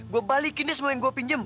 gue balikin deh semua yang gue pinjam